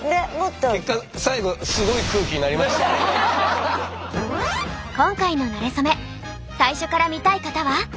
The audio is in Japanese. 結果最後今回の「なれそめ」最初から見たい方は。